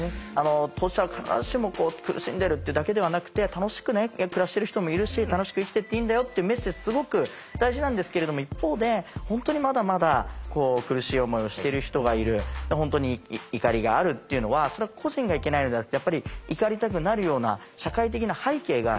当事者は必ずしも苦しんでるっていうだけではなくて楽しく暮らしてる人もいるし楽しく生きていっていいんだよっていうメッセージすごく大事なんですけれども一方で本当にまだまだこう苦しい思いをしてる人がいる本当に怒りがあるっていうのはそれは個人がいけないのではなくてやっぱり怒りたくなるような社会的な背景がある。